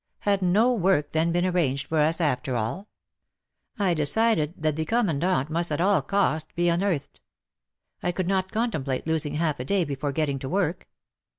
Had no work then been arranged for us, after all ? I decided that the Comman dant must at all costs be unearthed. I could not contemplate losing half a day before getting to work.